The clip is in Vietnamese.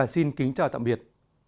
xin kính chào tạm biệt